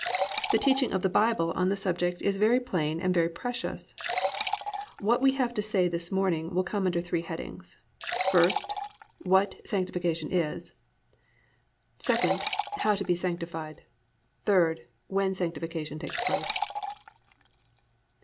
The teaching of the Bible on the subject is very plain and very precious. What we have to say this morning will come under three headings. First, What Sanctification Is: 2. How to be Sanctified; 3. When Sanctification Takes Place.